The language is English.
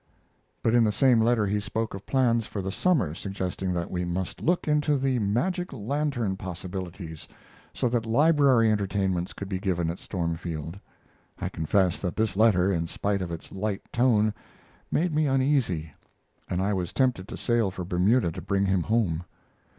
But in the same letter he spoke of plans for the summer, suggesting that we must look into the magic lantern possibilities, so that library entertainments could be given at Stormfield. I confess that this letter, in spite of its light tone, made me uneasy, and I was tempted to sail for Bermuda to bring him home.